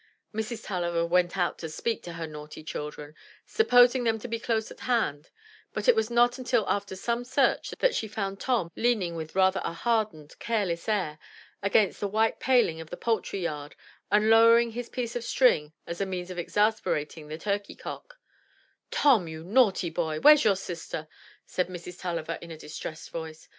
Mrs. Tulliver went out to speak to her naughty children, supposing them to be close at hand; but it was not until after some search that she found Tom leaning with rather a hardened, careless air against the white paling of the poultry yard, and lowering his piece of string as a means of exasperating the turkey cock *'Tom, you naughty boy, where's your sister?" said Mrs. Tulliver in a distressed voice.